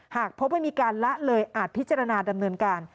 หากพบว่ามีการละเลยอาจพิจารณาดำเนินการ